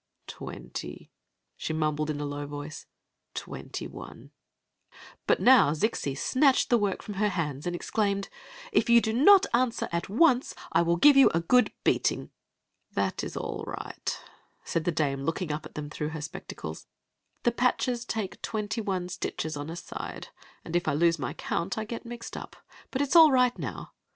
" Twenty !" she wmmkhi m m km voice ; twenty But now Zixi snatched the work from her hands and exclaimed; " If you do not — uriir M mmm I wiU give you a r I r^ht," said the dame, looking up at them through her spectacles; "the patches take twenty one stitches on each side, and if I lose my count I get mixed But it s aU tight now.